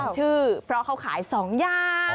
ชื่อเพราะเขาขาย๒อย่าง